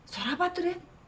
suara apa tuh den